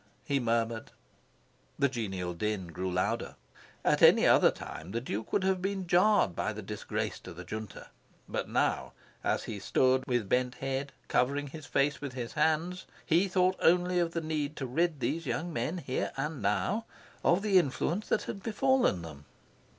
he murmured. The genial din grew louder. At any other time, the Duke would have been jarred by the disgrace to the Junta. But now, as he stood with bent head, covering his face with his hands, he thought only of the need to rid these young men, here and now, of the influence that had befallen them.